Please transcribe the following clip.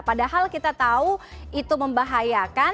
padahal kita tahu itu membahayakan